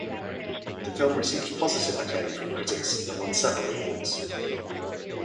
The film received positive acclaim from critics and won several awards.